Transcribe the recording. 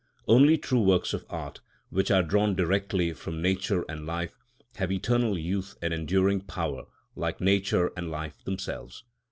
Only true works of art, which are drawn directly from nature and life, have eternal youth and enduring power, like nature and life themselves.